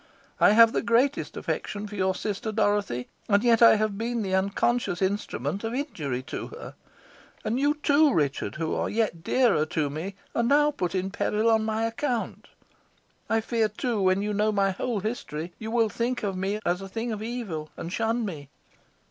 I have the greatest affection for your sister Dorothy, and yet I have been the unconscious instrument of injury to her. And you too, Richard, who are yet dearer to me, are now put in peril on my account. I fear, too, when you know my whole history, you will think of me as a thing of evil, and shun me."